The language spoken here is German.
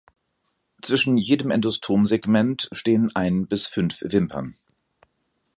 Zwischen jedem Endostom-Segment stehen ein bis fünf Wimpern.